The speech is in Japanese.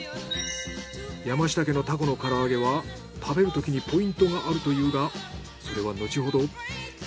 山下家のタコの唐揚げは食べるときにポイントがあるというがそれはのちほど。